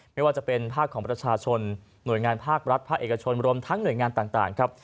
ไม่ว่าจะเป็นภาคของประชาชนหน่วยงานภาครัฐภาคเอกชนรวมทั้งหน่วยงานต่างครับ